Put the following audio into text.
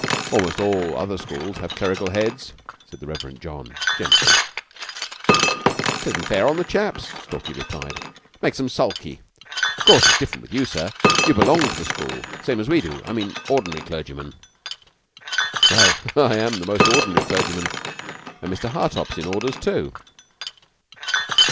"Almost all other schools have clerical Heads," said the Reverend John gently. "It isn't fair on the chaps," Stalky replied. "Makes 'em sulky. Of course it's different with you, sir. You belong to the school same as we do. I mean ordinary clergymen." "Well, I am a most ordinary clergyman; and Mr. Hartopp's in Orders, too."